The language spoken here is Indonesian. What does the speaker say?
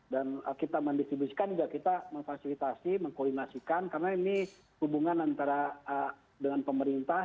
dan kita mendistribusikan juga kita memfasilitasi mengkoordinasikan karena ini hubungan antara dengan pemerintah